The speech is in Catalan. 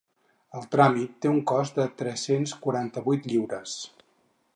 El tràmit té un cost de tres-cents quaranta-vuit lliures.